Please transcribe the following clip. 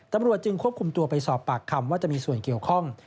ตำรวจจึงควบคุมตัวไปสอบปากคำว่าจะมีส่วนเกี่ยวข้อง